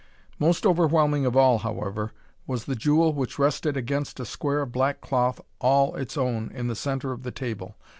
Most overwhelming of all, however, was the jewel which rested against a square of black cloth all its own in the center of the table.